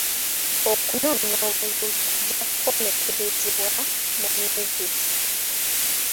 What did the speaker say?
Okunoonya obululu kujja kukomekkerezebwa mu myezi esatu.